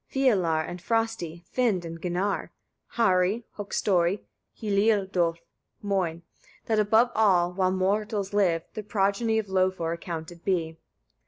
Fialar and Frosti, Finn and Ginnar, Heri, Höggstari, Hliôdôlf, Moin: that above shall, while mortals live, the progeny of Lofar, accounted be.